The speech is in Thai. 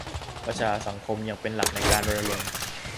ภาคประชาสังคมยังเป็นหลักในการรณรงค์